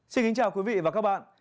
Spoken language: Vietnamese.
xin kính chào quý vị và các bạn